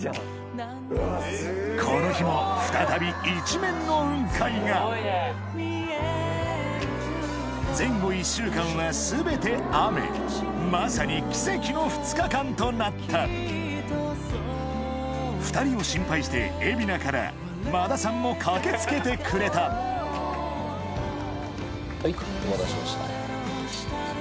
この日も再び一面の雲海が前後１週間は全て雨まさに奇跡の２日間となった２人を心配して海老名から馬田さんも駆け付けてくれたはいお待たせしました。